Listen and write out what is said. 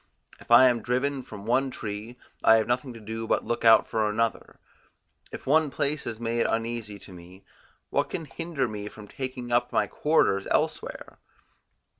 If I am driven from one tree, I have nothing to do but look out for another; if one place is made uneasy to me, what can hinder me from taking up my quarters elsewhere?